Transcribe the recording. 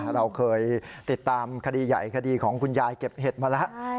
เราเคยติดตามคดีใหญ่คดีของคุณยายเก็บเห็ดมาแล้ว